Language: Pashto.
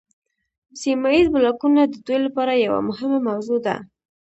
سیمه ایز بلاکونه د دوی لپاره یوه مهمه موضوع ده